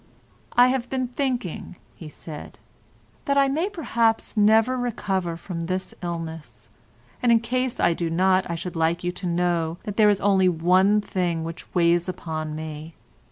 "I have been thinking," he said, "that I may perhaps never recover from this illness, and in case I do not I should like you to know that there is only one thing which weighs upon me.